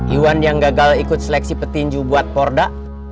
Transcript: iwan yang gagal ikut seleksi petinju buat porda